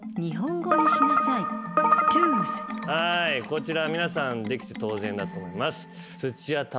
こちら皆さんできて当然だと思います。